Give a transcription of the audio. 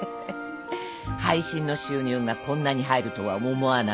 配信の収入がこんなに入るとは思わなかったけど。